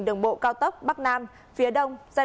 đường bộ cao tốc bắc nam phía đông